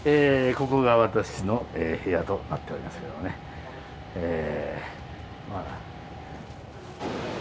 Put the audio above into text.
ここが私の部屋となっておりますけどもねええ。